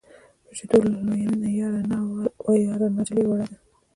په شیدو یې لویوینه یاره نا وه یاره نا نجلۍ وړه ده.